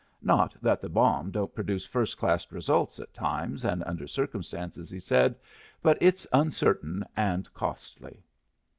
"Not that the bomb don't produce first class results at times and under circumstances," he said, "but it's uncertain and costly."